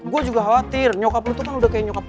gue juga khawatir nyokap lo tuh kan udah kayak nyokap gue